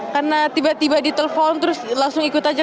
karena tiba tiba ditelepon terus langsung ikut aja